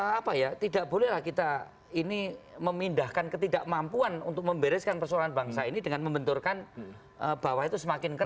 apa ya tidak bolehlah kita ini memindahkan ketidakmampuan untuk membereskan persoalan bangsa ini dengan membenturkan bawah itu semakin keras